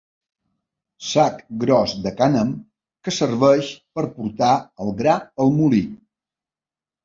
Sac gros de cànem que serveix per portar el gra al molí.